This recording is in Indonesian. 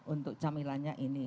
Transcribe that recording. untuk camilannya ini